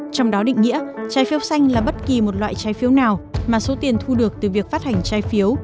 trong đó định nghĩa trái phiếu xanh là bất kỳ một loại trái phiếu nào mà số tiền thu được từ việc phát hành trái phiếu